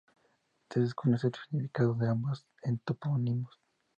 Se desconoce el significado de ambos topónimos.